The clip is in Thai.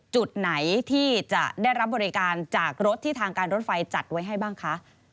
จุดไหนที่จะได้รับบริการจากรถที่ทางการรถไฟจัดไว้ให้บ้างคะ